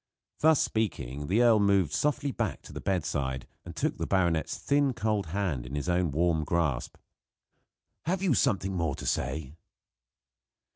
Thus speaking, the earl moved softly back to the bedside and took the baronet's thin, cold hand in his own warm grasp. "Have you something more to say?"